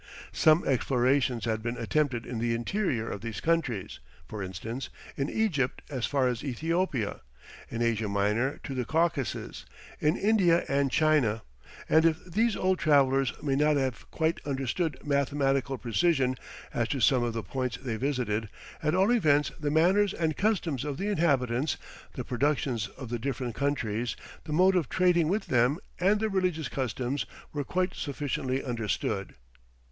Some explorations had been attempted in the interior of these countries; for instance, in Egypt as far as Ethiopia, in Asia Minor to the Caucasus, in India and China; and if these old travellers may not have quite understood mathematical precision, as to some of the points they visited, at all events the manners and customs of the inhabitants, the productions of the different countries, the mode of trading with them, and their religious customs, were quite sufficiently understood.